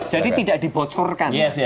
jadi tidak dibocorkan